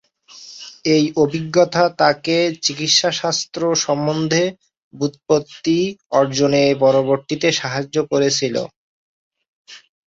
এই অভিজ্ঞতা তাঁকে চিকিৎসাশাস্ত্র সম্বন্ধে ব্যুৎপত্তি অর্জনে পরবর্তীতে সাহায্য করেছিল।